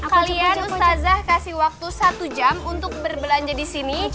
kalian ustazah kasih waktu satu jam untuk berbelanja disini